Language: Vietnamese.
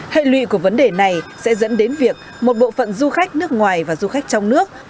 hệ lụy của vấn đề này sẽ dẫn đến việc một bộ phận du khách nước ngoài và du khách trong nước